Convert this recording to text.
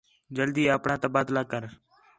جلدی اپݨاں تبادلہ کر